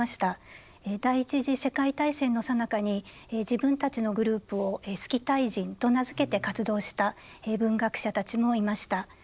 第一次世界大戦のさなかに自分たちのグループを「スキタイ人」と名付けて活動した文学者たちもいました。